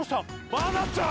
愛菜ちゃん！？